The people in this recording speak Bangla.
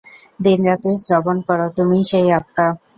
দিনরাত্রি শ্রবণ কর, তুমিই সেই আত্মা।